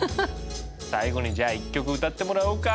最後にじゃあ１曲歌ってもらおうか。